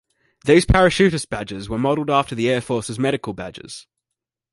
These parachutist badges were modeled after the Air Force's Medical Badges.